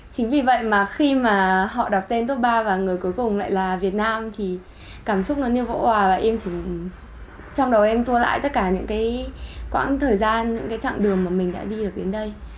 chính vì vậy mà khi mà họ đặt tên top ba và người cuối cùng lại là việt nam thì cảm xúc nó như hỗ hòa và em chỉ trong đầu em tour lại tất cả những cái quãng thời gian những cái chặng đường mà mình đã đi được đến đây